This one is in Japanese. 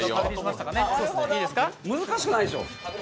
難しくないでしょ？